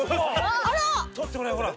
あら！撮ってもらえほら。